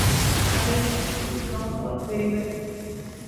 Again, this would not work very well.